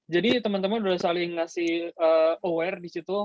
jadi teman teman sudah saling ngasih aware di situ